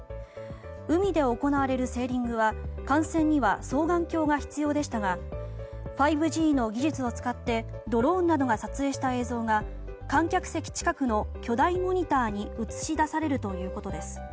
海で行われるセーリングは観戦には双眼鏡が必要でしたが５Ｇの技術を使ってドローンなどが撮影した映像が観客席近くの巨大モニターに映し出されるということです。